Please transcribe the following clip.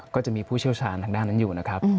ก็จะมีผู้เชี่ยวชาญทางด้านนั้นอยู่นะครับ